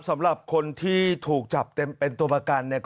สำหรับคนที่ถูกจับเป็นตัวประกัน